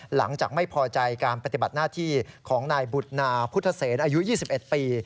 หลังจากไม่พอใจการปฏิบัติหน้าที่ของนายบุตนาพุทธเสนอายุ๒๑ปี